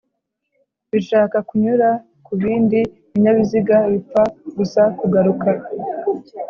bishaka kunyura ku bindi binyabiziga bipfa gusa kugaruka